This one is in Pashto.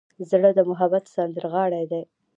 زړه د محبت سندرغاړی دی.